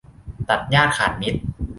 ตัดญาติขาดมิตร